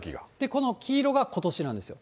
この黄色がことしなんですよ。